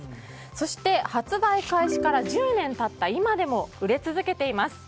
そして、発売開始から１０年経った今でも売れ続けています。